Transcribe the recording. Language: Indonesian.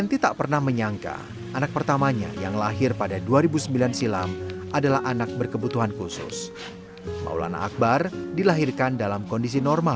nanti tak pernah menyangka anak pertamanya yang lahir pada dua ribu sembilan silam adalah anak berkebutuhan khusus maulana akbar dan nanti juga mencari tempat untuk berbicara tentang kebutuhan mereka